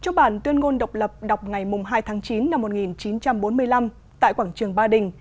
trong bản tuyên ngôn độc lập đọc ngày hai tháng chín năm một nghìn chín trăm bốn mươi năm tại quảng trường ba đình